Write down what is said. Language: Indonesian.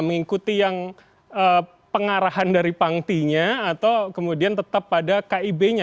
mengikuti yang pengarahan dari pangtinya atau kemudian tetap pada kib nya